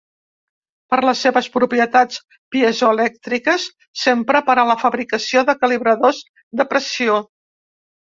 Per les seves propietats piezoelèctriques s'empra per a la fabricació de calibradors de pressió.